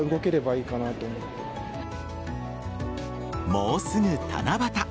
もうすぐ七夕。